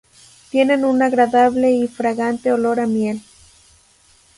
Tienen un agradable y fragante olor a miel.